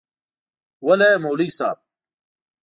وله يي مولوي صيب